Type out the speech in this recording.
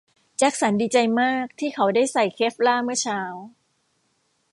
แจ็คสันดีใจมากที่เขาได้ใส่เคฟลาร์เมื่อเช้า